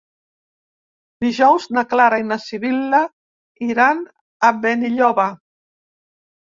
Dijous na Clara i na Sibil·la iran a Benilloba.